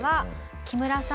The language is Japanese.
木村さん！